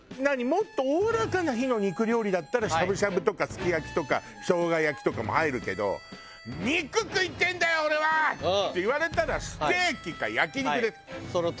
もっとおおらかな日の肉料理だったらしゃぶしゃぶとかすき焼きとか生姜焼きとかも入るけど「肉食いてえんだよ俺は！」って言われたらステーキか焼肉です。